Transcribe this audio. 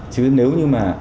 chứ nếu như mà